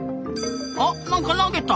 あっ何か投げた！